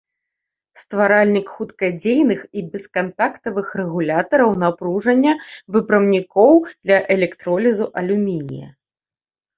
Стваральнік хуткадзейных і бескантактавых рэгулятараў напружання выпрамнікоў для электролізу алюмінія.